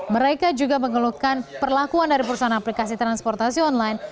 mereka juga mengeluhkan perlakuan dari perusahaan aplikasi transportasi online